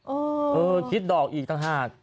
เออคิดดอกอีกต่างหาก